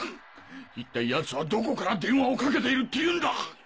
一体奴はどこから電話をかけているっていうんだ！？